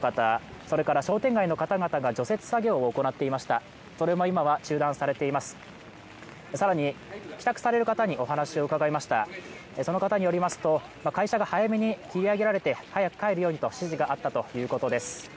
その方によりますと会社が早めに切り上げられて、早く帰るようにという指示があったということです。